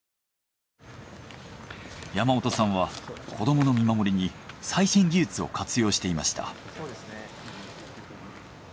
山本さんは子どもの見守りに最新技術を活用していました。